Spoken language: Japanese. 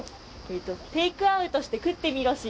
えと「テイクアウトして食ってみろし！」